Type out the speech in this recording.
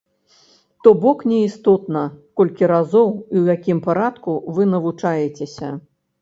То бок, не істотна, колькі разоў і ў якім парадку вы навучаецеся.